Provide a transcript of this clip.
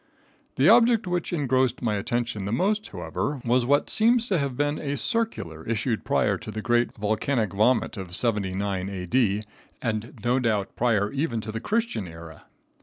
The object which engrossed my attention the most, however, was what seems to have been a circular issued prior to the great volcanic vomit of 79 A.D., and no doubt prior even to the Christian era.